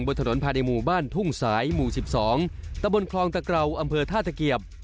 บนถนนภายในหมู่บ้านทุ่งสายหมู่๑๒ตะบนคลองตะเกราอำเภอท่าตะเกียบ